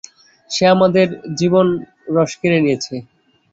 সে আমাদের জীবন রস কেড়ে নিয়েছে।